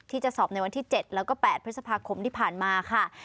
ที่จะสอบในวันที่๗แล้วก็๘พฤษภาคมที่ผ่านมาค่ะ